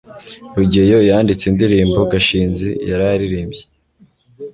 rugeyo yanditse indirimbo gashinzi yaraye aririmbye